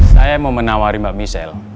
saya mau menawari mbak michelle